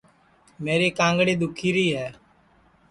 میری کانگڑی دُؔکھیری ہے